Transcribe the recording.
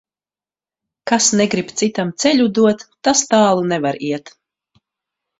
Kas negrib citam ceļu dot, tas tālu nevar iet.